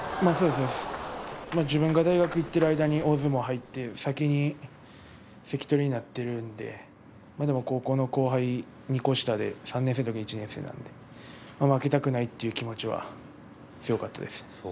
自分が大学にいっている間に大相撲に入って、先に関取になっているのででも高校の後輩、２個下で３年生のとき１年生なので負けたくないという気持ちは強かったです。